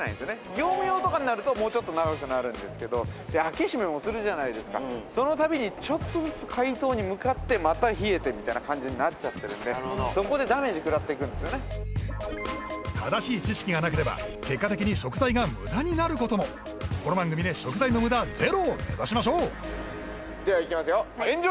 業務用とかになるともうちょっと長くなるんですけど開け閉めもするじゃないですかその度にちょっとずつ解凍に向かってまた冷えてみたいな感じになっちゃってるんでそこでダメージ食らっていくんですよね正しい知識がなければ結果的に食材が無駄になることもこの番組で食材の無駄ゼロを目指しましょうではいきますよ